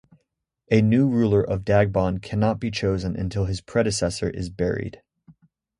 A new ruler of Dagbon cannot be chosen until his predecessor is buried.